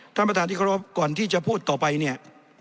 ท่านประธานที่เคารพก่อนที่จะพูดต่อไปเนี่ย